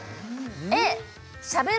Ａしゃべる